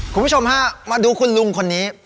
คุณผู้ชมฮะมาดูคุณลุงคนนี้